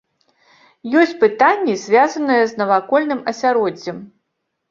Ёсць пытанні, звязаныя з навакольным асяроддзем.